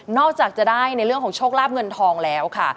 จากจะได้ในเรื่องของโชคลาบเงินทองแล้วค่ะ